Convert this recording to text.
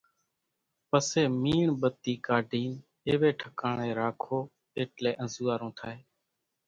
پسي ميڻ ٻتي ڪاڍين ايوي ٺڪاڻي راکو ايٽلي انزوئارون ٿائي